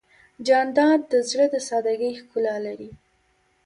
جانداد د زړه د سادګۍ ښکلا لري.